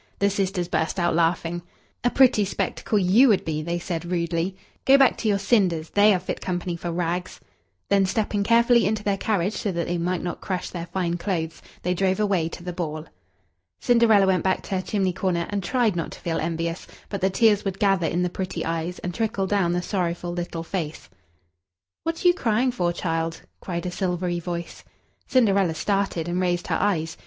The sisters burst out laughing. "A pretty spectacle you would be," they said rudely. "Go back to your cinders they are fit company for rags." Then, stepping carefully into their carriage so that they might not crush their fine clothes, they drove away to the ball. Cinderella went back to her chimney corner, and tried not to feel envious, but the tears would gather in the pretty eyes, and trickle down the sorrowful little face. "What are you crying for, child?" cried a silvery voice. Cinderella started, and raised her eyes.